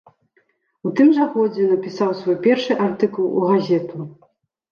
У тым жа годзе напісаў свой першы артыкул у газету.